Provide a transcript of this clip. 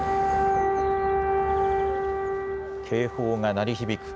警報が鳴り響く